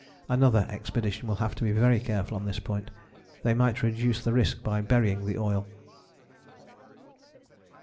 Another expedition will have to be very careful on this point: they might reduce the risk by burying the oil.